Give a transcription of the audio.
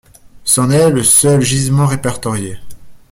C'en est le seul gisement répertorié.